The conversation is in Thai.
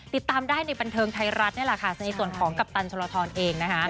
ติดตามได้ในบันเทิงไทยรัฐนี่แหละค่ะในส่วนของกัปตันชนลทรเองนะคะ